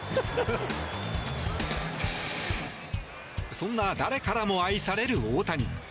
そんな誰からも愛される大谷。